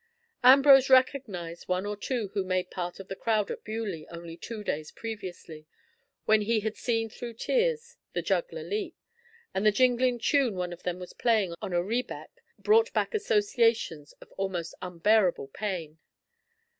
Ambrose recognised one or two who made part of the crowd at Beaulieu only two days previously, when he had "seen through tears the juggler leap," and the jingling tune one of them was playing on a rebeck brought back associations of almost unbearable pain.